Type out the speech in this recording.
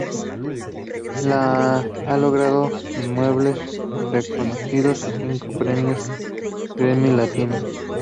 Ha logrado innumerables reconocimientos y cinco premios Grammy Latinos.